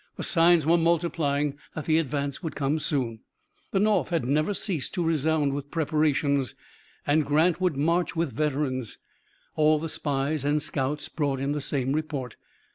The signs were multiplying that the advance would soon come. The North had never ceased to resound with preparations, and Grant would march with veterans. All the spies and scouts brought in the same report.